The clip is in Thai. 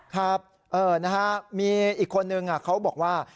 ครับเออนะฮะมีอีกคนหนึ่งเขาบอกว่า